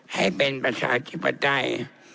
ให้เป็นประชาชีพฤตัย